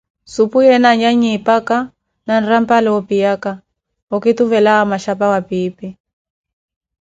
supuyeene anyanyi eepaka na nrampala opiyaka, okituvelawo omachapa wa piipi.